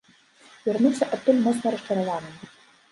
Вярнуўся адтуль моцна расчараваным.